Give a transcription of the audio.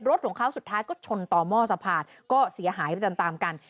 รถของเขาสุดท้ายก็ชนต่อหม้อสะพานก็เสียหายไปตามตามกัน